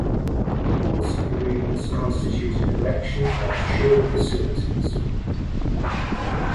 Ports and marinas constitute a collection of shore facilities.